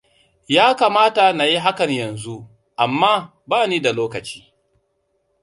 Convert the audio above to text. Ya kamata na yi hakan yanzu, amma ba ni da lokaci.